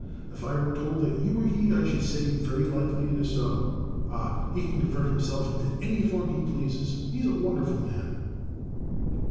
If I were told that you were he, I should say * Very likely it is so.* Ah ! he can convert himself into any form he pleases. He is a wonderful man!'